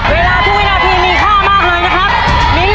เวลาทุกวินาทีมีค่ามากเลยนะครับ